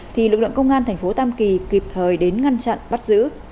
thì lực lượng công an tp tam kỳ kịp thời đến ngăn chặn bắt giữ